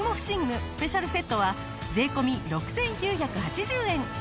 スペシャルセットは税込６９８０円。